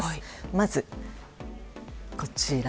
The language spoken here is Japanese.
まず、こちら。